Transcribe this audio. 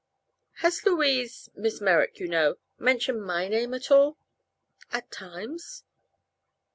"Has Louise Miss Merrick, you know mentioned my name at all?" "At times."